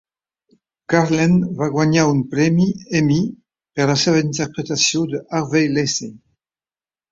Karlen va guanyar un premi Emmy per la seva interpretació de Harvey Lacey.